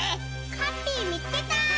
ハッピーみつけた！